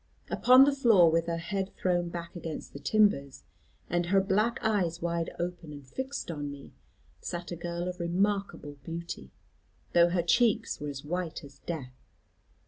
Upon the floor with her head thrown back against the timbers, and her black eyes wide open and fixed on me, sat a girl of remarkable beauty, though her cheeks were as white as death.